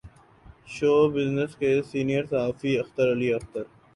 شو business کے senior صحافی اختر علی اختر